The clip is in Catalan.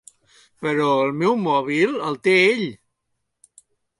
Però el meu mòbil el té ell.